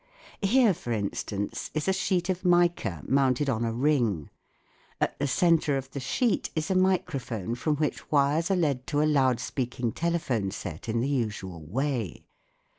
Here, for instance, is a sheet of mica mounted on a ring ; at the centre of the sheet is a microphone from which wires are led to a loud speaking tele phone set in the usual way.